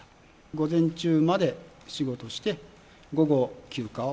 午前中まで仕事して、午後休暇を。